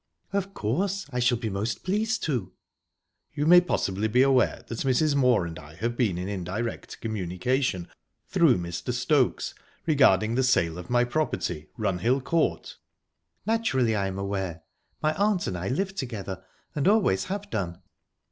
"Of course; I shall be most pleased to." "You may possibly be aware that Mrs. Moor and I have been in indirect communication, through Mr. Stokes, regarding the sale of my property, Runhill Court?" "Naturally, I am aware. My aunt and I live together, and always have done."